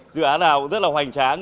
dự án nào cũng rất là hoành tráng